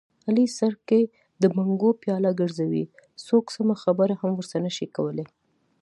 علي سر کې د بنګو پیاله ګرځوي، څوک سمه خبره هم ورسره نشي کولی.